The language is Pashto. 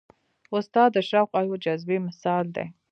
استاد د شوق او جذبې مثال دی.